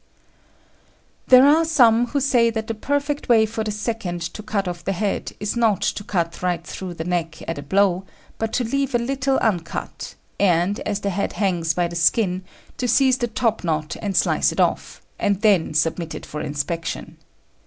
There are some who say that the perfect way for the second to cut off the head is not to cut right through the neck at a blow, but to leave a little uncut, and, as the head hangs by the skin, to seize the top knot and slice it off, and then submit it for inspection.